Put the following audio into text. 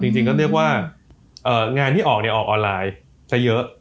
จริงก็เรียกว่างานที่ออกออกออนไลน์จะเยอะ